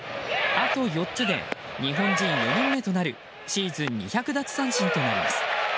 あと４つで日本人４人目となるシーズン２００奪三振となります。